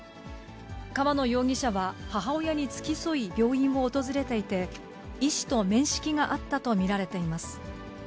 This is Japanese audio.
川野容疑者は、母親に付き添い病院を訪れていて、医師と面識があったと見られています。